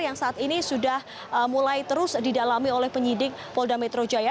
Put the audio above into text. yang saat ini sudah mulai terus didalami oleh penyidik polda metro jaya